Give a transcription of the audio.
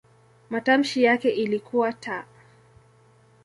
Matamshi yake ilikuwa "t".